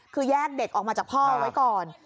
คือแยกเด็กออกมาจากพ่อไว้ก่อน